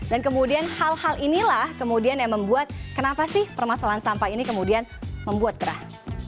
dan kemudian hal hal inilah yang membuat kenapa sih permasalahan sampah ini kemudian membuat gerah